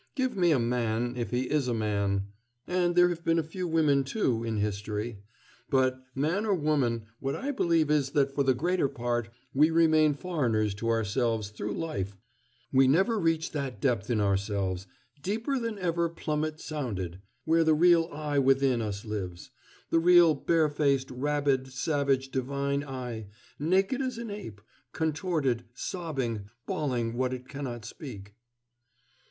Give me a man if he is a man. And there have been a few women, too in history. But, man or woman, what I believe is that for the greater part, we remain foreigners to ourselves through life we never reach that depth in ourselves, 'deeper than ever plummet sounded,' where the real I within us lives, the real, bare faced, rabid, savage, divine I, naked as an ape, contorted, sobbing, bawling what it cannot speak."